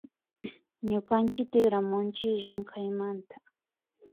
Ñukanchik tikramunchi llamkaymanta